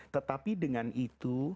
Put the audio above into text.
tetapi dengan itu